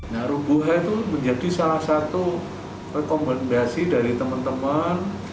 nah rubuha itu menjadi salah satu rekomendasi dari teman teman